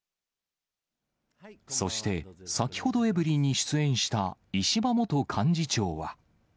そして、先ほどエブリィに出演した石破元幹事長は。